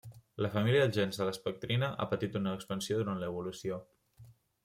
La família dels gens de l'espectrina ha patit una expansió durant l'evolució.